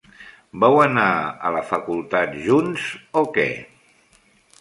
Vau anar a la facultat junts o què?